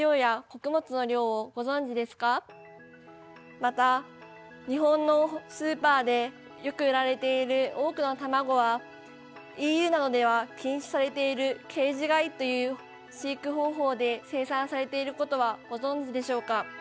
また日本のスーパーでよく売られている多くの卵はＥＵなどでは禁止されているケージ飼いという飼育方法で生産されていることはご存じでしょうか？